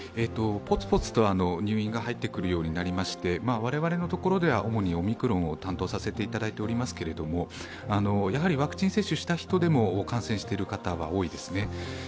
ぽつぽつと入院が入ってくるようになりまして、我々のところでは主にオミクロンを担当させていただいておりますけれども、やはりワクチン接種している方でも感染している方、多いですね。